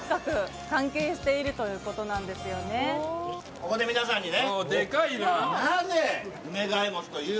ここで皆さんにね。